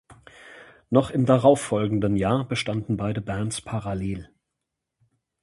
Noch im darauf folgenden Jahr bestanden beide Bands parallel.